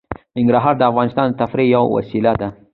ننګرهار د افغانانو د تفریح یوه وسیله ده.